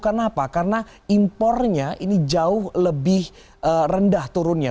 karena apa karena impornya ini jauh lebih rendah turunnya